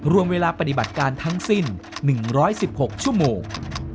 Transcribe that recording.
รวมเวลาปฏิบัติการทั้งสิ้น๑๑๖ชั่วโมง